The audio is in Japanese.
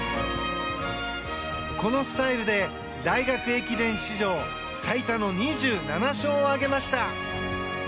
このスタイルで大学駅伝史上最多の２７勝を挙げました。